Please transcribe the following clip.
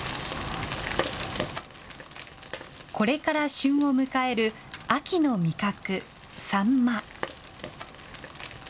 これから旬を迎える秋の味覚、サンマ。